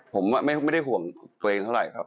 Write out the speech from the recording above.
ผมไม่ได้ห่วงตัวเองเท่าไหร่ครับ